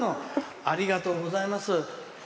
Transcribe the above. ありがとうございます。